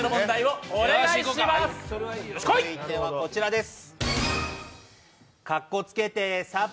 続いてはこちらです。